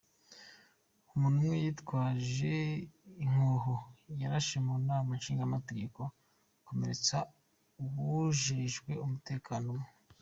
Umuntu umwe yitwaje inkoho yarashe mu nama nshingamateka akomeretsa uwujejwe umutekano umwe.